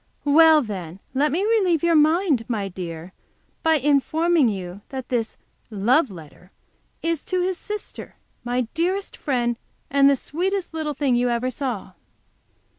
"Well, then, let me relieve your mind, my dear, by informing you that this 'love letter' is to his sister, my dearest friend, and the sweetest little thing you ever saw."